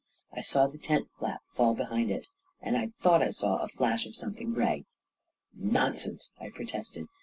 " I saw the tent flap fall behind it — and I thought I saw a flash of something gray." " Nonsense !" I protested.